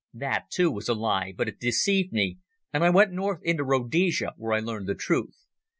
That, too, was a lie, but it deceived me, and I went north into Rhodesia, where I learned the truth.